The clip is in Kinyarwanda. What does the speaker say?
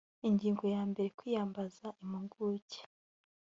ingingo ya mbere kwiyambaza impuguke